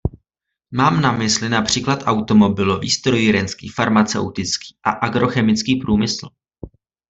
Mám na mysli například automobilový, strojírenský, farmaceutický a agrochemický průmysl.